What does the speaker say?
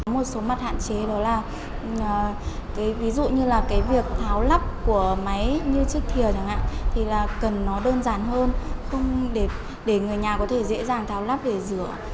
một số mặt hạn chế đó là ví dụ như là việc tháo lắp của máy như chiếc thìa chẳng hạn thì là cần nó đơn giản hơn để người nhà có thể dễ dàng tháo lắp để rửa